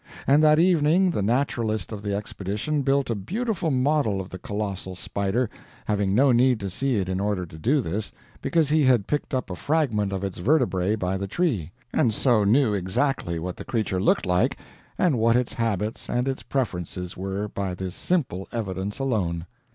And that evening the naturalist of the expedition built a beautiful model of the colossal spider, having no need to see it in order to do this, because he had picked up a fragment of its vertebra by the tree, and so knew exactly what the creature looked like and what its habits and its preferences were by this simple evidence alone.